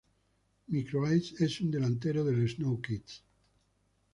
Micro Ice es un delantero del Snow Kids.